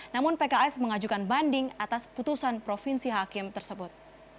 namun pks mengajukan banding atas putusan provinsi hakim tersebut